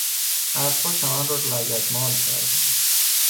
اسبها چمن را لگدمال کردند.